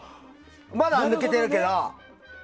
まだ抜けてるけどさ。